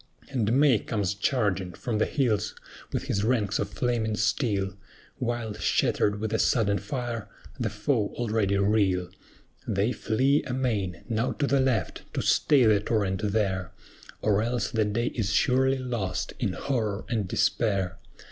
And MAY comes charging from the hills with his ranks of flaming steel, While, shattered with a sudden fire, the foe already reel: They flee amain! Now to the left, to stay the torrent there, Or else the day is surely lost, in horror and despair!